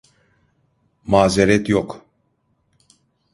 Mazeret yok.